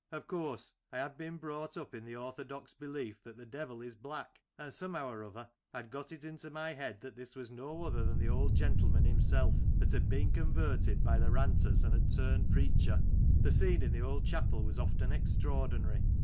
Of course I had been brought up in the orthodox belief that the devil is black, and somehow or other I had got it into my head that this was no other than the old gentleman himself that had been converted by the Ranters and had turned preacher. The scene in the old chapel was often extraordinary.